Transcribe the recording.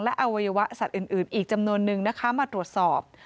และอวัยวะสัตว์อื่นอีกจำนวนนึงนะคะมาตรวจสอบ